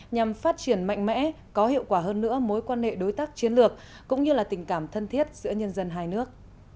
nhằm phát triển mạnh mẽ có hiệu quả hơn nữa mối quan hệ đối tác chiến lược cũng như là tình cảm thân thiết giữa nhân dân hai nước